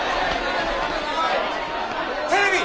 テレビ！